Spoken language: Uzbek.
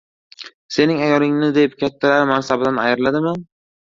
Sening ayolingni deb, kattalar mansabidan ayriladimi?